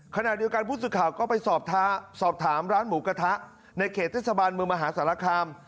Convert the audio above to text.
ขณะเดียวกันผู้สื่อข่าวก็ไปสอบถามร้านหมูกระทะในเขตเทศบาลเมืองมหาสารคาม